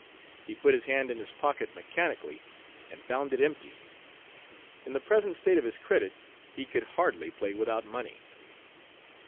He put his hand in his pocket mechanically, and found it empty! In the present state of his credit, he could hardly play without money.